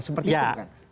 seperti itu kan